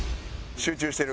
集中してる。